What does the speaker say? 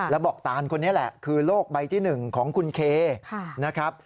แล้วบอกตานคนนี้แหละคือโลกใบที่๑ของคุณเคนะครับ